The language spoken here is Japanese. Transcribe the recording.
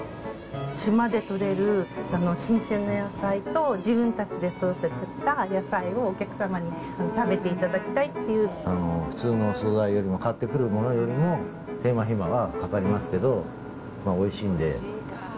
島で取れる新鮮な野菜と、自分たちで育てた野菜を、お客様に食べ普通の素材よりも、買ってくるものよりも手間暇はかかりますけど、おいしいんで。